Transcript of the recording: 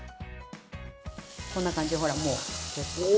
こんな感じでほらもう。